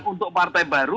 untuk partai baru